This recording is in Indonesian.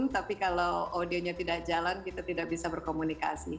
tapi kalau audionya tidak jalan kita tidak bisa berkomunikasi